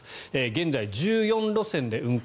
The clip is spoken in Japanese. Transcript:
現在１４路線で運行。